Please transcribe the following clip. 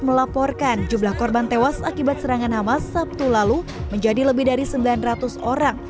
melaporkan jumlah korban tewas akibat serangan hamas sabtu lalu menjadi lebih dari sembilan ratus orang